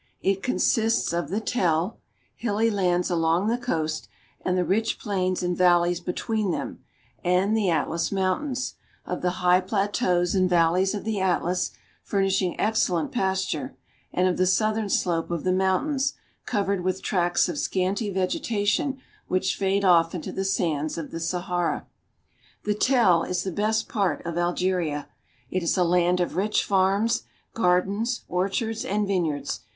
It consists of the Tell, hilly lands along the coast, and the rich plains and valleys. 34 AFRICA between them and the Atlas Mountains; of the high plateaus and valleys of the Atlas, furnishing excellent pasture; and of the southern slope of the mountains, covered with tracts of scanty vegetation which fade off into the sands of the Sahara. The Tell is the best part of Algeria. It is a land of rich farms, gardens, orchards, and vineyards.